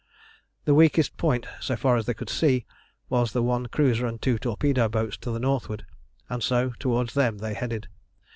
The weakest point, so far as they could see, was the one cruiser and two torpedo boats to the northward, and so towards them they headed.